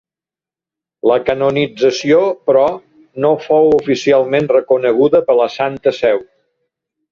La canonització, però, no fou oficialment reconeguda per la Santa Seu.